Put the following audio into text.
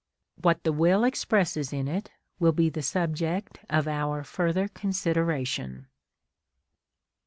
What the will expresses in it will be the subject of our further consideration.